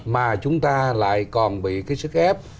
mà chúng ta lại còn bị cái sức ép